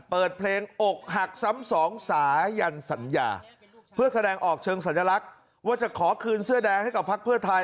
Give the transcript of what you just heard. เปิดเพลงอกหักซ้ำสองสายันสัญญาเพื่อแสดงออกเชิงสัญลักษณ์ว่าจะขอคืนเสื้อแดงให้กับพักเพื่อไทย